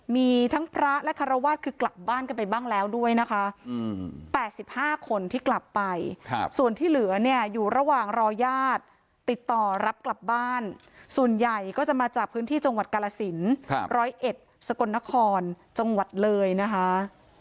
มีทั้งพระและคารวาสคือกลับบ้านกันไปบ้างแล้วด้วยนะคะ๘๕คนที่กลับไปส่วนที่เหลือเนี่ยอยู่ระหว่างรอญาติติดต่อรับกลับบ้านส่วนใหญ่ก็จะมาจากพื้นที่จังหวัดกาลสิน๑๐๑สกลนครจังหวัดเลยนะคะ